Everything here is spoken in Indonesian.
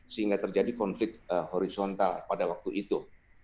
sehingga terjadi konflik horizontal pada waktu itu